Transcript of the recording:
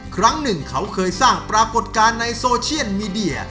ครั้งหนึ่งเขาเคยสร้างปรากฏการณ์ในโซเชียลมีเดีย